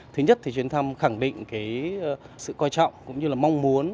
thứ nhất thì chuyến thăm khẳng định sự quan trọng cũng như là mong muốn